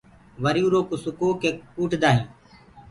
وري اُرآ ڪوُ سُڪو ڪي ڪوُٽدآ هينٚ۔